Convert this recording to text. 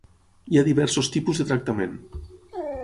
Hi ha diversos tipus de tractament.